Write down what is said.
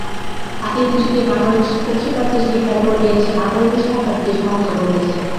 আদিম যুগে মানুষ পশু-পাখি শিকার করে এসে আঙুলের সাহায্যে সংখ্যা বলেছে।